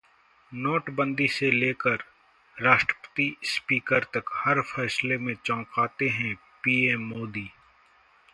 नोटबंदी से लेकर राष्ट्रपति-स्पीकर तक, हर फैसले में चौंकाते हैं पीएम मोदी